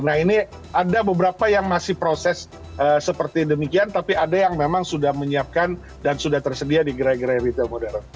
nah ini ada beberapa yang masih proses seperti demikian tapi ada yang memang sudah menyiapkan dan sudah tersedia di gerai gerai retail modern